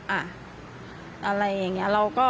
อะไรอย่างนี้เราก็